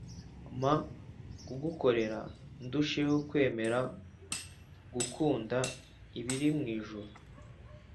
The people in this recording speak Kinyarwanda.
Mpa kugukorera ndusheho kwemera gukunda ibiri mu ijuru